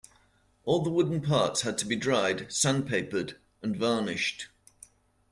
All the wooden parts had to be dried, sandpapered and varnished.